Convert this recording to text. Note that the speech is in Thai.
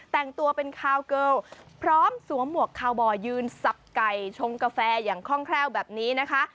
แต่งตัวเป็นคาวเกิลพร้อมสวมหมวกคาวบอยยืนสับไก่ชงกาแฟอย่างคล่องแคล่วแบบนี้นะคะ